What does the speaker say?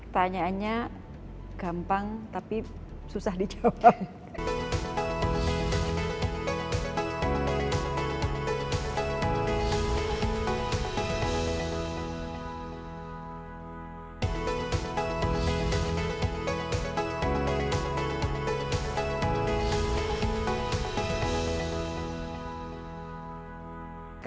tanyaannya gampang tapi susah dijawab